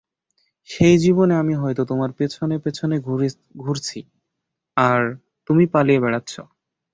সেই জীবনে আমি হয়তো তোমার পেছনে-পেছনে ঘুরছি, আর তুমি পালিয়ে বেড়াচ্ছ।